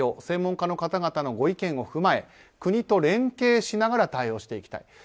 専門家の方々のご意見を踏まえ国と連携しながら対応していきたい。